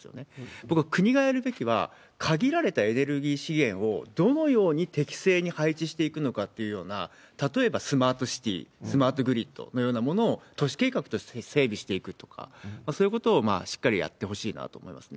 僕は国がやるべきは、限られてエネルギー資源をどのように適正に配置していくのかっていう、例えばスマートシティ、スマートグリッドのようなものを都市計画として整備していくとか、そういうことをしっかりやってほしいなと思いますね。